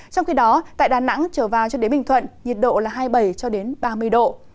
trong khi đó tại đà nẵng trở vào cho đến bình thuận nhiệt độ hai mươi bảy ba mươi độ